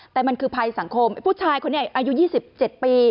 แต่มันคือภัยสังคมไอ้ผู้ชายคนนี้อายุ๒๗ปี